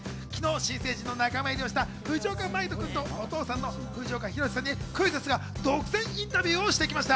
昨日、新成人の仲間入りをした藤岡真威人君とお父さんの藤岡弘、さんにクイズッスが独占インタビューをしてきました。